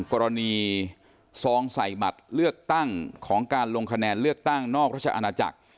กรณีซองใส่บัตรเลือกตั้งของการลงคะแนนเลือกตั้งนอกราชอาณาจักร